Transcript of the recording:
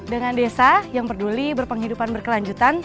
dengan desa yang peduli berpenghidupan berkelanjutan